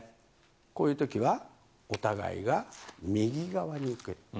こういうときは、お互いが右側によける。